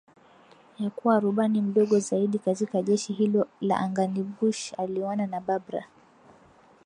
ya kuwa rubani mdogo zaidi katika jeshi hilo la anganiBush alioana na Barbara